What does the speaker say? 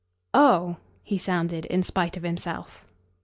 "Oh!" he sounded in spite of himself.